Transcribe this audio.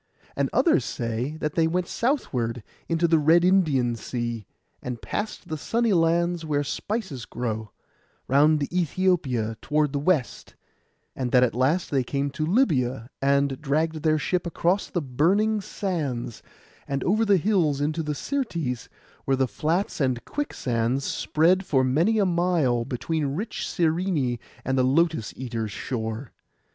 And others say that they went southward, into the Red Indian Sea, and past the sunny lands where spices grow, round Æthiopia toward the West; and that at last they came to Libya, and dragged their ship across the burning sands, and over the hills into the Syrtes, where the flats and quicksands spread for many a mile, between rich Cyrene and the Lotus eaters' shore.